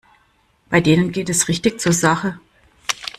Bei denen geht es richtig zur Sache.